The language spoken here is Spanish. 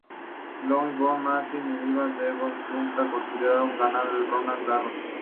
Louise Brough, Martina Hingis y Lindsay Davenport nunca consiguieron ganar en Roland Garros.